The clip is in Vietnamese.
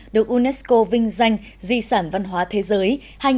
được unesco vinh danh di sản văn hóa thế giới hai nghìn một mươi hai nghìn hai mươi